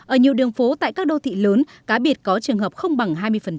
ở nhiều đường phố tại các đô thị lớn cá biệt có trường hợp không bằng hai mươi